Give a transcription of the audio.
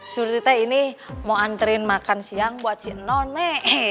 surti teh ini mau anterin makan siang buat si enonte